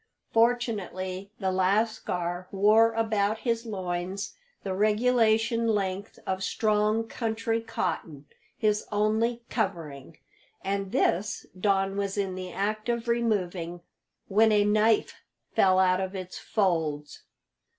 Fortunately the lascar wore about his loins the regulation length of strong country cotton his only covering and this Don was in the act of removing when a knife fell out of its folds.